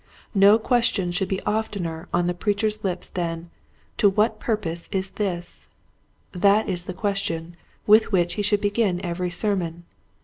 No question should be oftener on the preacher's lips than, " To what purpose is this }'' That is the question with which he should begin every sermon.